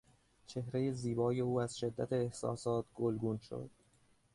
چهرهی زیبای او از شدت احساسات گلگون شد.